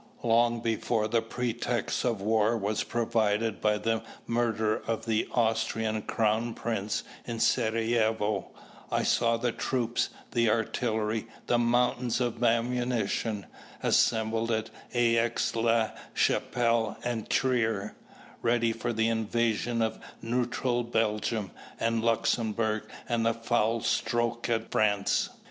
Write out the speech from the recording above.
Long before the pretext of war was provided by the murder of the Austrian Crown Prince in Serajevo, I saw the troops, the artillery, the mountains of ammunition, assembled at Aix la Chapelle and Trier, ready for the invasion of neutral Belgium and Luxembourg, and the foul stroke at France.